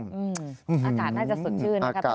อากาศน่าจะสดชื่นนะครับ